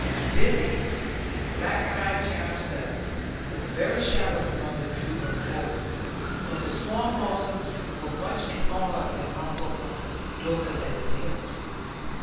Lizzy, a black eyed child of seven, looked very shy when her mother drew her forward, for the small Mosses were much in awe of their uncle from Dorlcote Mill.